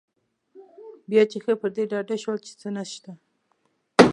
بیا چې ښه پر دې ډاډه شول چې څه نشته.